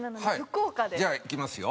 じゃあいきますよ。